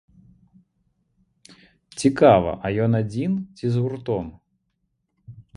Цікава, а ён адзін, ці з гуртом?